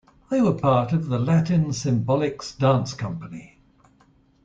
They were part of the Latin Symbolics Dance Company.